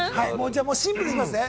シンプルにいきますね。